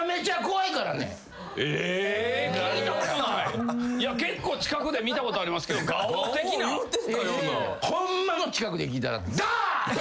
いや結構近くで見たことありますけどガオー的な。ホンマの近くで聞いたら「ダァー！」って言う。